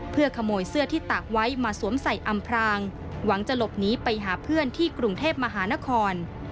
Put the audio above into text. เพื่อขโมยเสื้อที่ตากไว้มาสวมใส่อำพรางหวังจะหลบหนีไปหาเพื่อนที่กรุงเทพมหานคร